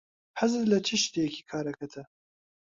حەزت لە چ شتێکی کارەکەتە؟